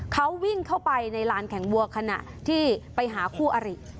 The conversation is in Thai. เขาวิ่งเข้าไปในลานแข็งวัวขณะที่ไปหาคู่อริ